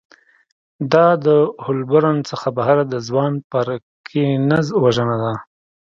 دا د هولبورن څخه بهر د ځوان پرکینز وژنه وه